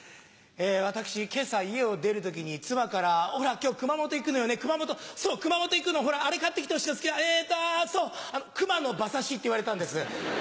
私、けさ家を出るときに、妻からきょう熊本行くのよね、熊本、そう、熊本行くの、ほら、あれ買ってきてほしい、えーと、そう、熊の馬刺しって言われたんです。